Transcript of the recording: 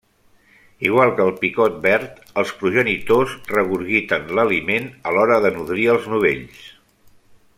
Igual que el picot verd, els progenitors regurgiten l'aliment a l'hora de nodrir els novells.